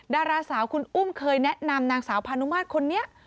ดาราสาวคุณอุ้มเคยแนะนำนางสาวพานุมาตรคนนี้